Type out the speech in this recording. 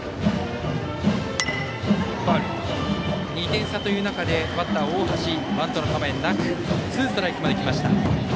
２点差という中でバッター、大橋はバントの構えなくツーストライクまできました。